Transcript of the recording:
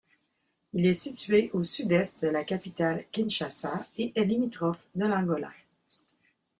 Il est situé au sud-est de la capitale Kinshasa et est limitrophe de l'Angola.